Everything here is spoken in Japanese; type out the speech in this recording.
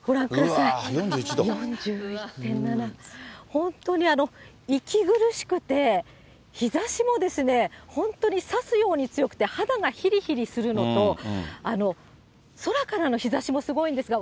本当に息苦しくて、日ざしも本当に刺すように強くて、肌がひりひりするのと、空からの日ざしもすごいんですが、